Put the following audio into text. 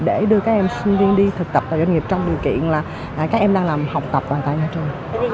để đưa các em sinh viên đi thực tập tại doanh nghiệp trong điều kiện là các em đang làm học tập và tại nhà trường